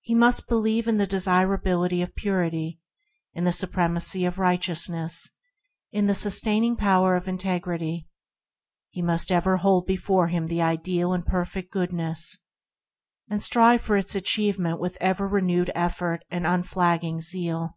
He must believe in the desirability of purity, in the supremacy of righteousness, in the sustaining power of integrity; he must ever hold before him the Ideal and Perfect Goodness, and strive for its achievement with ever renewed effort and unflagging zeal.